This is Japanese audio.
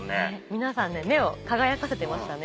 皆さん目を輝かせてましたね。